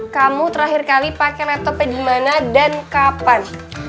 kamu terakhir kali pakai laptopnya dimana dan kapan